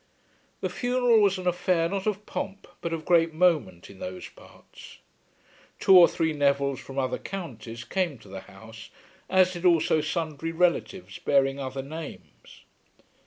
The funeral was an affair not of pomp but of great moment in those parts. Two or three Nevilles from other counties came to the house, as did also sundry relatives bearing other names.